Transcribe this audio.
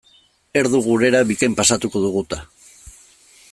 Erdu gurera bikain pasatuko dugu eta.